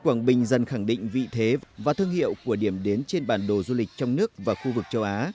quảng bình dần khẳng định vị thế và thương hiệu của điểm đến trên bản đồ du lịch trong nước và khu vực châu á